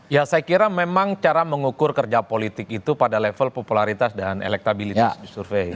ya saya kira memang cara mengukur kerja politik itu pada level popularitas dan elektabilitas di survei